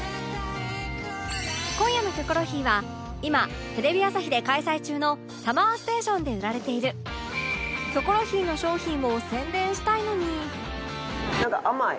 今夜の『キョコロヒー』は今テレビ朝日で開催中の ＳＵＭＭＥＲＳＴＡＴＩＯＮ で売られている『キョコロヒー』の商品を宣伝したいのに